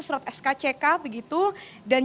surat skck begitu dan